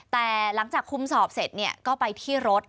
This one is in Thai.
แต่หลังจากคุมสอบเสร็จก็ไปที่รถ